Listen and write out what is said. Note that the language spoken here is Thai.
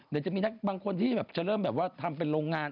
เดี๋ยวจะมีบางคนที่จะเริ่มทำเป็นโรงงาน